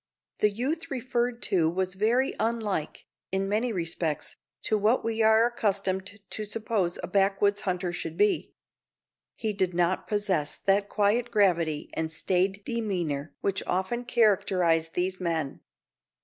The youth referred to was very unlike, in many respects, to what we are accustomed to suppose a backwoods hunter should be. He did not possess that quiet gravity and staid demeanour which often characterize these men.